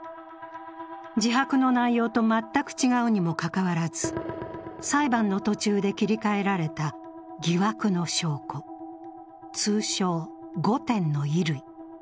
自白の内容と全く違うにもかかわらず、裁判の途中で切り替えられた疑惑の証拠、通称・５点の衣類。